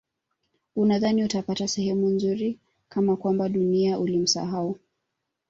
unadhani utapata sehemu nzuri kama kwamba duniani ulimsahau